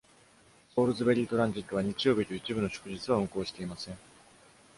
ソールズベリー・トランジットは、日曜日と一部の祝日は運行していません。